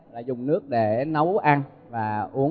là dùng nước để nấu ăn và uống